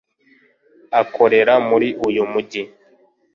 Akorera muri uyu mujyi